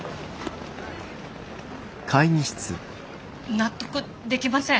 納得できません。